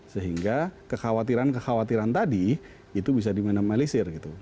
sehingga kekhawatiran kekhawatiran tadi itu bisa diminimalisir gitu